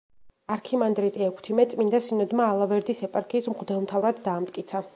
არქიმანდრიტი ექვთიმე წმინდა სინოდმა ალავერდის ეპარქიის მღვდელმთავრად დაამტკიცა.